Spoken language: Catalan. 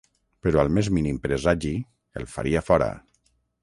Però al més mínim presagi, el faria fora.